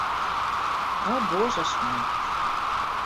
А божа ж мой!